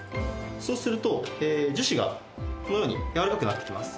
そうすると、樹脂がこのように柔らかくなってきます。